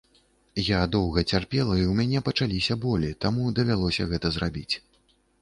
Я доўга цярпела і ў мяне пачаліся болі, таму давялося гэта зрабіць.